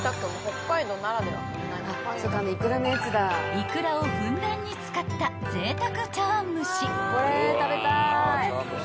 ［イクラをふんだんに使ったぜいたく茶わん蒸し］